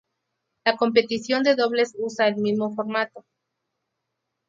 La competición de dobles usa el mismo formato.